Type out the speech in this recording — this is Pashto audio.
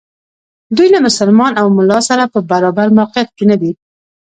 دوی له مسلمان او ملا سره په برابر موقعیت کې ندي.